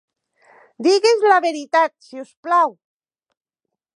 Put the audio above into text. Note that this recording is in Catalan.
Digues la veritat, si us plau!